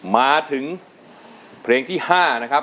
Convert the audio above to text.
มาถึงเพลงที่๕นะครับ